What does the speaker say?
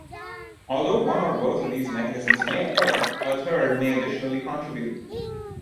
Although one or both of these mechanisms may occur, a third may additionally contribute.